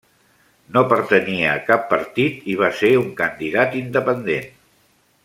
No pertanyia a cap partit i va ser un candidat independent.